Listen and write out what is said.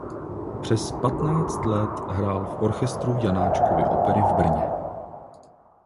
Přes patnáct let hrál v orchestru Janáčkovy opery v Brně.